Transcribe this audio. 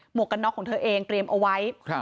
วกกันน็อกของเธอเองเตรียมเอาไว้